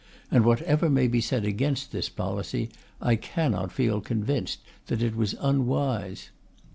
And whatever may be said against this policy, I cannot feel convinced that it was unwise.